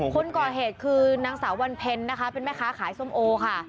คนก่อเหตุคือนางสาววันเพ็ญนะคะเป็นแม่ค้าขายส้มโอค่ะ